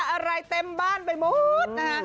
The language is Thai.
อะไรเต็มบ้านไปหมดนะคะ